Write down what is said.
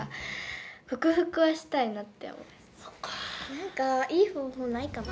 なんかいい方法ないかな。